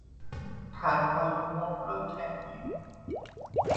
پرهای مرغ را کندیم.